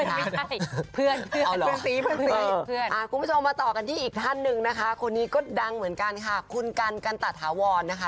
คุณผู้ชมมาต่อกันที่อีกท่านหนึ่งนะคะคนนี้ก็ดังเหมือนกันค่ะคุณกันกันตะถาวรนะคะ